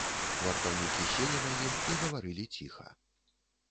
Вартаўнікі селі на ім і гаварылі ціха.